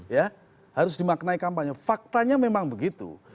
ya harus dimaknai kampanye faktanya memang begitu